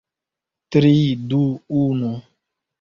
Tri... du... unu...